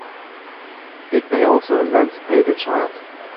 It may also emancipate a child.